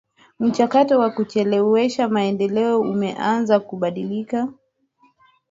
Mchakato wa kuchelewesha maendeleo umeanza kubadilika